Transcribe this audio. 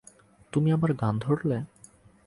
তুমি আবার গান ধরলে?